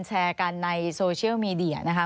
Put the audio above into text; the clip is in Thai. ควิทยาลัยเชียร์สวัสดีครับ